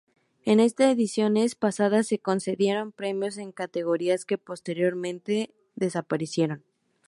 En ediciones pasadas se concedieron premios en categorías que posteriormente desaparecieron.